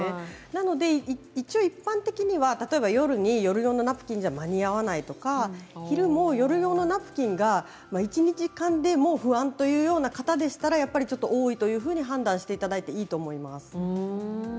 なので一応、一般的には例えば夜に夜用のナプキンじゃ間に合わないとか昼でも夜用ナプキンが１、２時間で不安というような方でしたらやっぱりちょっと多いと判断していただいたほうがいいと思います。